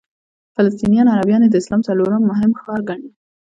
فلسطیني عربان یې د اسلام څلورم مهم ښار ګڼي.